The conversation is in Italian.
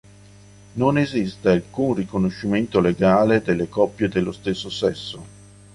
Non esiste alcun riconoscimento legale delle coppie dello stesso sesso.